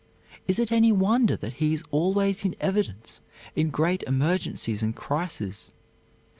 Is it any wonder that he is always in evidence in great emergencies and crises?